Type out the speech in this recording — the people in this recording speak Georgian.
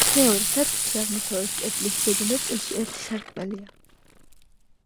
მეორე სართულზე, აღმოსავლეთ კედლის ზედა ნაწილში ერთი სარკმელია.